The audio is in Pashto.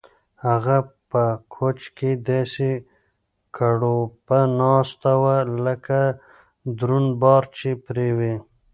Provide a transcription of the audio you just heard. هغه په کوچ کې داسې کړوپه ناسته وه لکه دروند بار چې پرې وي.